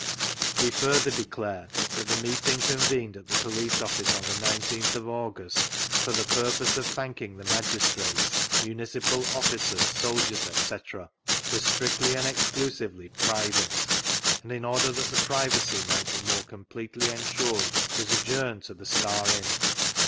" We further declare that the meeting convened at the Police Office on the 19th of August for the purpose of thanking the magistrates, municipal officers, s<ddiers, etc., was strictly and exclusively private, and in order that the privacy might be more completely ensuned was adjourned to the Star Inn.